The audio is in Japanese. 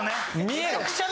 見える。